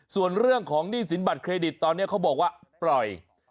ส่วนเรื่องของหนี้สินบัตรเครดิตตอนนี้เขาบอกว่าปล่อย